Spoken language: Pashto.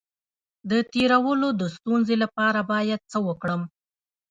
د تیرولو د ستونزې لپاره باید څه وکړم؟